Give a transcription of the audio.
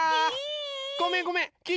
ごめんごめんきい